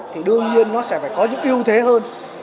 thì đương nhiên nó sẽ phải có những ưu thế hơn